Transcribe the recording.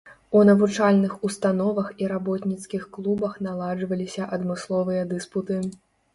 У навучальных установах і работніцкіх клубах наладжваліся адмысловыя дыспуты.